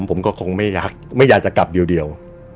ผมก็คงไม่อยากจะกลับเดียว